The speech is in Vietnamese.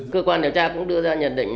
cơ quan điều tra cũng đưa ra nhận định